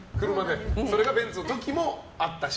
それがベンツの時もあったし？